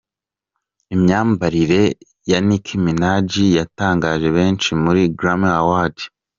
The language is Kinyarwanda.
Imyamabarire ya Nicki Minaj yatangaje benshi muri Grammy Awards.